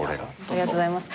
ありがとうございます。